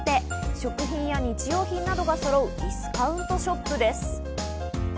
食品や日用品などがそろうディスカウントショップです。